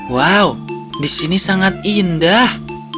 wow di sini sangat indah